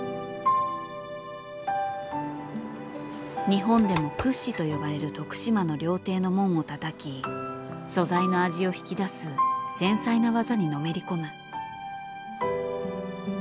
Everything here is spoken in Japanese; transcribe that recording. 日本でも屈指と呼ばれる徳島の料亭の門をたたき素材の味を引き出す繊細な技にのめり込む。